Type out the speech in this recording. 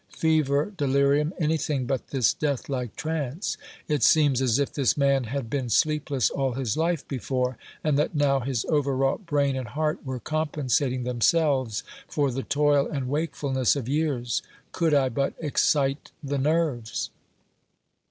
Fever, delirium, anything but this death like trance. It seems as if this man had been sleepless all his life before, and that now his overwrought brain and heart were compensating themselves for the toil and wakefulness of years. Could I but excite the nerves!"